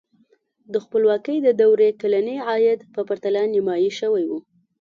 دا د خپلواکۍ د دورې کلني عاید په پرتله نیمايي شوی و.